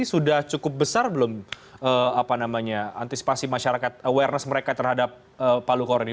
sudah cukup besar belum antisipasi masyarakat awareness mereka terhadap palu koran ini